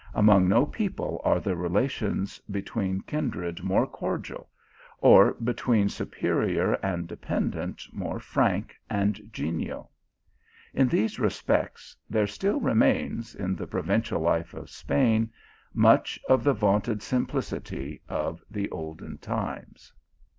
Among no people are the relations between kindred more cordial, or be tween superior and dependent more Irunk and ge VISITORS TO THE ALHAMBRA. 185 nial ; in these respects there still remains, in the provincial life of Spain, much of the vaunted simpli city of the olden times.